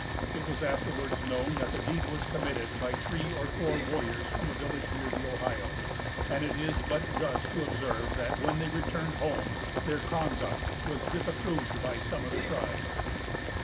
It was afterwards known that the deed was committed by three or four warriors from a village near the Ohio; and it is but just to observe that, when they returned home, their conduct was disapproved by some of the tribe.